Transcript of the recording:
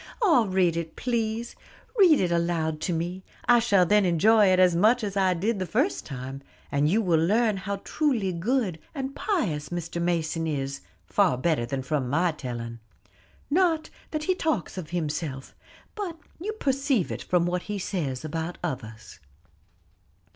"Ah, read it, please; read it aloud to me; I shall then enjoy it as much as I did the first time; and you will learn how truly good and pious Mr. Mason is, far better than from my telling. Not that he talks of himself, but you perceive it from what he says of others."